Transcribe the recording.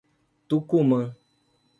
Tucumã